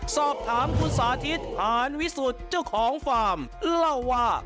สอบถามคุณสาธิตหานวิสุทธิ์เจ้าของฟาร์มเล่าว่า